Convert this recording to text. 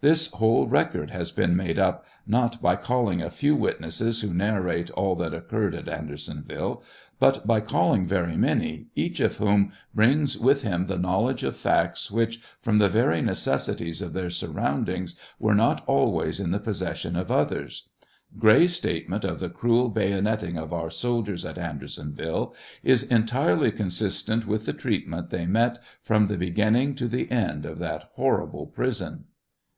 This whole record has been made up, not by calling a few witnesses who narrate all that occurred at Ander sonville, but by calling very many, each of whom brings with him the knowl edge of facts which, from the very necessities of their surroundings, were not always in the possession of others. Gray's statement of the cruel bayoneting of our soldiers at Andersonville is entirely consistent with the treatment they met from the beginning to the end of that horrible prison.